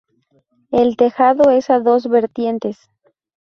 El tejado es a dos vertientes.